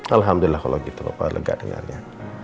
alhamdulillah kalau gitu bapak lega dengarnya